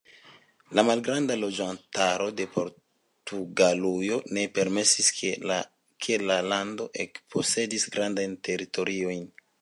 La malgranda loĝantaro de Portugalujo ne permesis, ke la lando ekposedis grandajn teritoriojn.